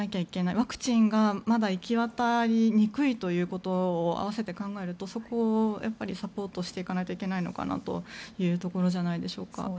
ワクチンがまだ行き渡りにくいということを併せて考えるとそこをサポートしていかないといけないのかなというところじゃないでしょうか。